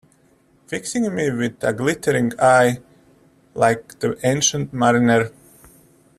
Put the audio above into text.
Fixing me with a glittering eye, like the Ancient Mariner.